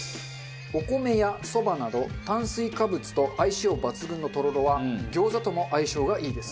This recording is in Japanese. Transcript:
お米やそばなど炭水化物と相性抜群のとろろは餃子とも相性がいいです。